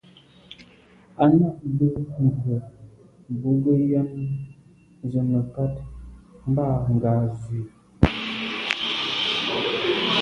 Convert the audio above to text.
À’ nâ’ bə́ mbrə̀ bú gə ́yɑ́nə́ zə̀ mə̀kát mbâ ngɑ̀ zwí.